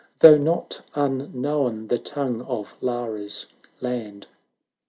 Though not unknown the tongue of Lara's land.